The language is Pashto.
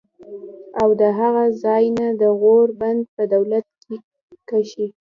او د هغه ځائے نه د غور بند پۀ دولت کلي کښې